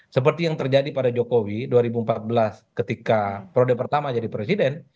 seperti yang terjadi pada jokowi dua ribu empat belas ketika perode pertama jadi presiden